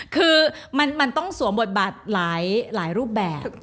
คือมันต้องสวมบทบาทหลายรูปแบบ